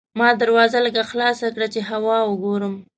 ما دروازه لږه خلاصه کړه چې هوا وګورم.